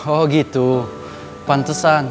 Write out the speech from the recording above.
oh gitu pantesan